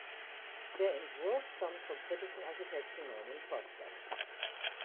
Der Entwurf stammt vom britischen Architekten Norman Foster.